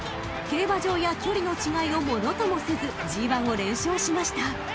［競走馬や距離の違いをものともせずＧⅠを連勝しました］